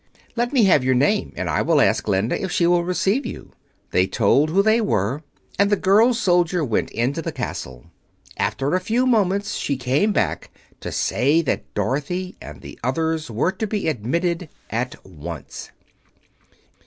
"Let me have your name, and I will ask Glinda if she will receive you." They told who they were, and the girl soldier went into the Castle. After a few moments she came back to say that Dorothy and the others were to be admitted at once.